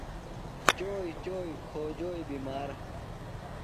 چوئی چوئی کھوجوئی بِمار